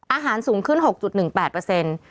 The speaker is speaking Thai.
อาหารสูงขึ้น๖๑๘